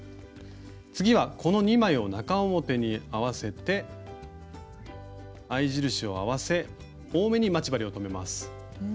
次はこの２枚を中表に合わせて合い印を合わせ多めに待ち針を留めます。